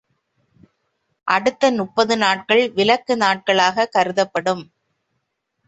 அடுத்த முப்பது நாட்கள் விலக்கு நாட்களாகக் கருதப்படும்.